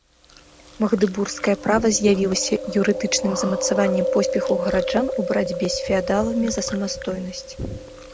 Магдэбургскае права з'явілася юрыдычным замацаваннем поспехаў гараджан у барацьбе з феадаламі за самастойнасць.